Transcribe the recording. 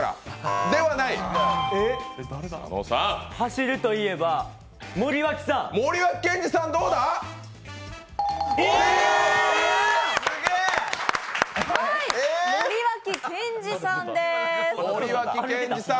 走るといえば森脇健児さん？